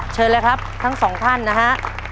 เชิญเลยครับทั้งสองท่านนะฮะ